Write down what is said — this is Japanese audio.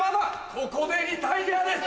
ここでリタイアです。